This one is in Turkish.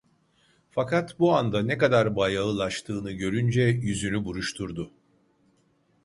Fakat bu anda ne kadar bayağılaştığını görünce yüzünü buruşturdu.